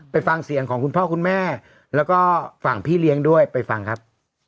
ไปฟังเสียงของคุณพ่อคุณแม่แล้วก็ฝั่งพี่เลี้ยงด้วยไปฟังครับ